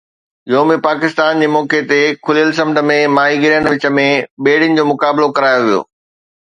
يوم پاڪستان جي موقعي تي کليل سمنڊ ۾ ماهيگيرن وچ ۾ ٻيڙين جو مقابلو ڪرايو ويو